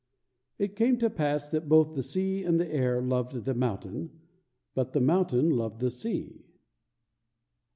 It came to pass that both the sea and the air loved the mountain, but the mountain loved the sea.